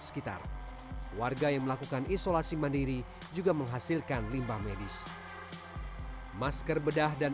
sekitar warga yang melakukan isolasi mandiri juga menghasilkan limbah medis masker bedah dan